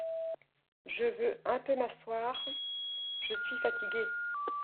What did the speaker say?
Je veux un peu m’asseoir ; je suis fatiguée !